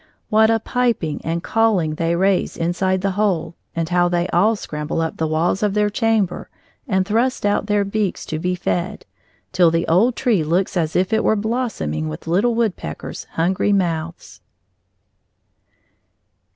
What a piping and calling they raise inside the hole, and how they all scramble up the walls of their chamber and thrust out their beaks to be fed, till the old tree looks as if it were blossoming with little woodpeckers' hungry mouths!